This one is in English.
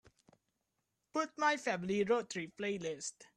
put my Family Road Trip playlist